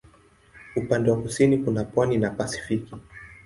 Upande wa kusini kuna pwani na Pasifiki.